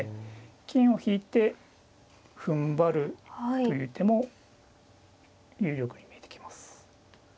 金を引いてふんばるという手も有力に見えてきます。